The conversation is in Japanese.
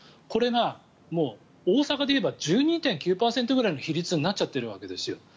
これがもう大阪でいえば１２．９％ぐらいの比率になっちゃっているわけです。